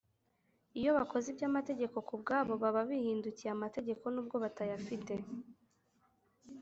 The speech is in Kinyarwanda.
iyo bakoze iby’amategeko ku bwabo baba bihindukiye amategeko nubwo batayafite,